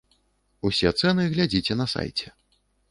Усе цэны глядзіце на сайце.